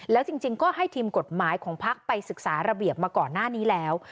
แล้วจริงก็ให้ทีมกฎหมายของพักไปศึกษาระเบียบมาก่อนหน้านี้แล้ว